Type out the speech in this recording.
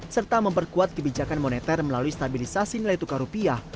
serta memperkuat kebijakan moneter melalui stabilisasi nilai tukar rupiah